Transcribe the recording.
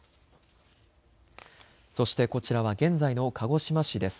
そしてこちらは現在の鹿児島市です。